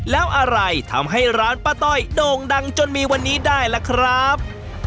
แล้วอะไรทำให้ร้านป้าต้อยโด่งดังจนมีวันนี้ได้ล่ะครับ